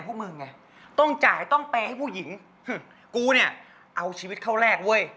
กูเลยสำคัญนะเว้ย